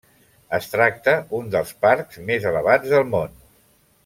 Es tracta un dels parcs més elevats del món.